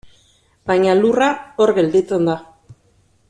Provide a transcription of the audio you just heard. Baina lurra, hor gelditzen da.